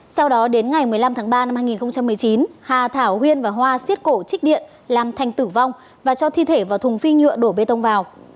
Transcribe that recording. sau đó đến ngày một mươi năm tháng ba năm hai nghìn một mươi chín hà thảo huyên và hoa xiết cổ trích điện làm thành tử vong và cho thi thể vào thùng phi nhựa đổ bê tông vào